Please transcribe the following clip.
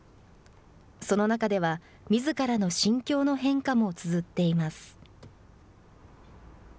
その中では、みずからの心境の変化もつづっています。